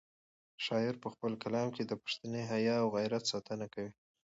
شاعر په خپل کلام کې د پښتني حیا او غیرت ساتنه کوي.